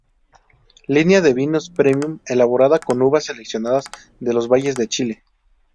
Línea de vinos Premium elaborada con uvas seleccionadas de los valles de Chile.